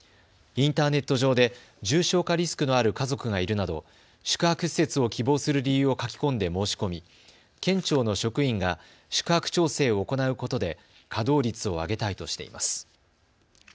インターネット上で重症化リスクのある家族がいるなど宿泊施設を希望する理由を書き込んで申し込み県庁の職員が宿泊調整を行うことで稼働率を上げたいとしています。